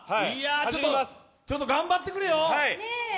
ちょっと頑張ってくれよ。